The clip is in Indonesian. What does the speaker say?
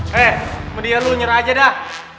hei sama dia lo nyera aja dah